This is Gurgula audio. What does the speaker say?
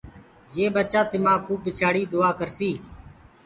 يي ٻچآ تمآنٚ ڪوُ پڇآڙيٚ دُئآ ڪرسيٚ